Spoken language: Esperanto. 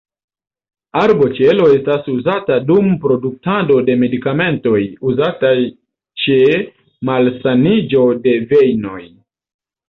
Arboŝelo estas uzata dum produktado de medikamentoj, uzataj ĉe malsaniĝo de vejnoj.